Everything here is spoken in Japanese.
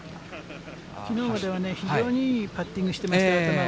きのうは非常にいいパッティングしてました。